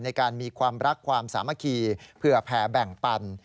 ในการมีความรักความสามัคคีเผื่อแผ่แบ่งปัน